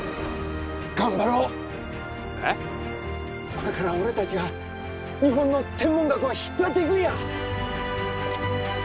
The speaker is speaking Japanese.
これから俺たちが日本の天文学を引っ張っていくんや！